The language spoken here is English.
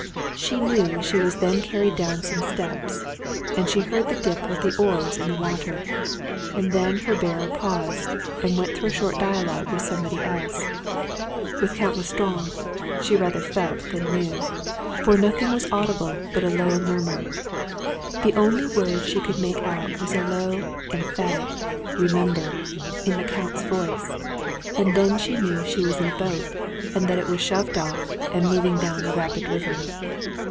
She knew she was then carried down some steps, and she heard the dip of the oars in the water, and then her bearer paused, and went through a short dialogue with somebody else with Count L'Estrange, she rather felt than knew, for nothing was audible but a low murmur. The only word she could make out was a low, emphatic "Remember!" in the count's voice, and then she knew she was in a boat, and that it was shoved off, and moving down the rapid river.